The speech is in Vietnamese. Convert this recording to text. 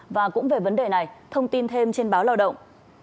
và cũng về vấn đề này thông tin thêm trên báo lao động